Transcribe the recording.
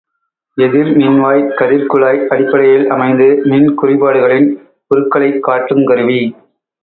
எதிர்மின்வாய்க் கதிர்க்குழாய் அடிப்படையில் அமைந்து மின்குறிபாடுகளின் உருக்களைக் காட்டுங் கருவி.